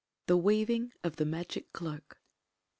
THE WEAVING OF THE MAGIC CLOAK.